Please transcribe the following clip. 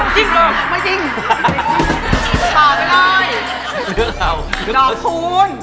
ต่อไปเลย